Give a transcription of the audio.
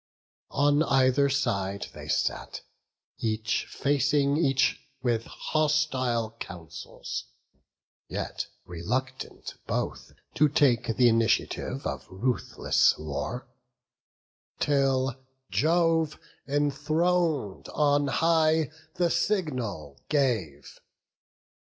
On either side they sat, each facing each With hostile counsels; yet reluctant both To take th' initiative of ruthless war; Till Jove, enthron'd on high, the signal gave.